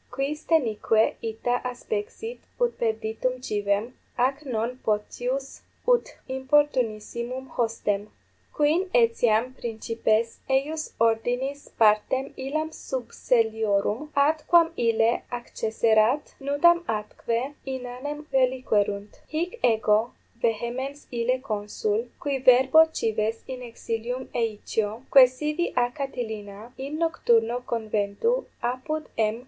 quis denique ita aspexit ut perditum civem, ac non potius ut importunissimum hostem? quin etiam principes eius ordinis partem illam subselliorum, ad quam ille accesserat, nudam atque inanem reliquerunt. Hic ego vehemens ille consul, qui verbo cives in exilium eicio, quaesivi a Catilina, in nocturno conventu apud M.